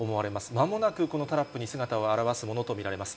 まもなくこのタラップに姿を現すものと思われます。